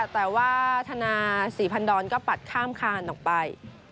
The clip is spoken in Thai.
แต่ว่าธนาศรีพันดอนก็ปัดข้ามคานออกไป